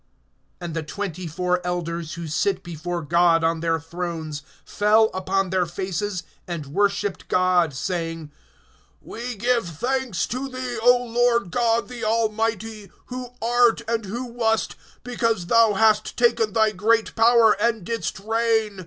(16)And the twenty four elders, who sit before God on their thrones, fell upon their faces, and worshiped God, (17)saying: We give thanks to thee, O Lord God the Almighty, who art, and who wast; because thou hast taken thy great power, and didst reign.